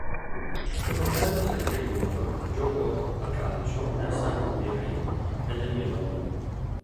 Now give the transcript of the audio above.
Suo fratello Sergei Jr. giocò a calcio nel St. Mirren e nel Millwall.